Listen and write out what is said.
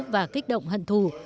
và kích động hận thù